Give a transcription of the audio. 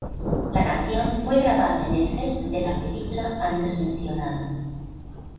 La canción fue grabada en el set de la película antes mencionada.